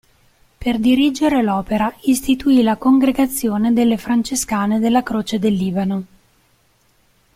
Per dirigere l'opera, istituì la congregazione delle Francescane della Croce del Libano.